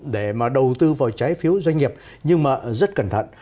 nên tự tư vào trái phiếu doanh nghiệp nhưng mà rất cẩn thận